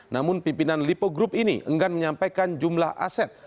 namun pimpinan lipo group ini enggan menyampaikan jumlah aset